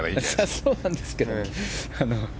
そうなんですけど。